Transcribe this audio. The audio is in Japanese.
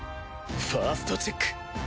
ファーストチェック！